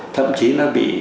thậm chí nó bị